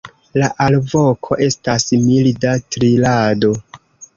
La alvoko estas milda trilado.